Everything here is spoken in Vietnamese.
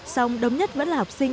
xong đông nhất vẫn là học sinh